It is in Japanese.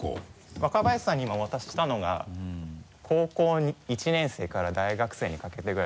若林さんに今お渡ししたのが高校１年生から大学生にかけてぐらい。